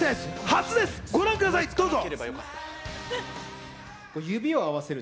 初です、ご覧ください、どうぞ。